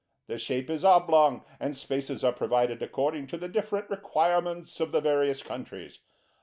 The shape is oblong, and spaces are provided according to the different requirements of the various countries.